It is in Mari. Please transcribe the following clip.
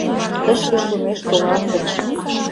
Тышке шумеш толалтын.